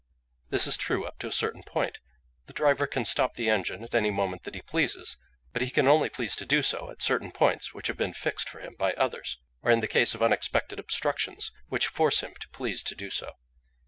"This is true up to a certain point; the driver can stop the engine at any moment that he pleases, but he can only please to do so at certain points which have been fixed for him by others, or in the case of unexpected obstructions which force him to please to do so.